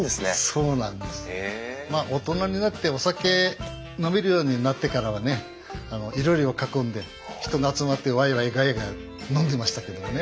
まあ大人になってお酒飲めるようになってからはねいろりを囲んで人が集まってワイワイガヤガヤ飲んでましたけどもね。